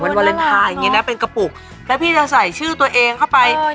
ที่ต่างวันวาเลนทายเป็นกระปุกแล้วพี่จะใส่ชื่อตัวเองเข้าไป